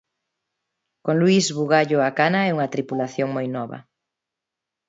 Con Luís Bugallo á cana e unha tripulación moi nova.